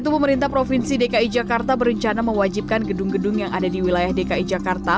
pemerintah provinsi dki jakarta berencana mewajibkan gedung gedung yang ada di wilayah dki jakarta